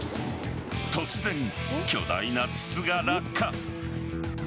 突然、巨大な筒が落下。